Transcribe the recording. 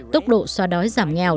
tốc độ xóa đói giảm nghèo